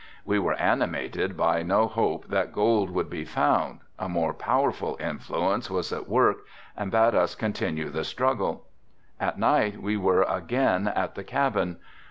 We were animated by no hope that gold would be found, a more powerful influence was at work and bade us continue the struggle. At night we were again at the cabin.